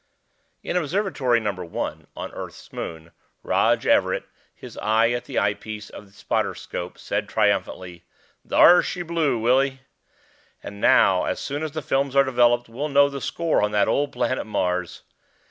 In Observatory No. 1 on Earth's moon, Rog Everett, his eye at the eyepiece of the spotter scope, said triumphantly, "Thar she blew, Willie. And now, as soon as the films are developed, we'll know the score on that old planet Mars."